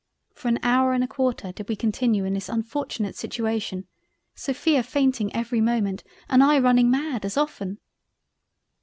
For an Hour and a Quarter did we continue in this unfortunate situation—Sophia fainting every moment and I running mad as often.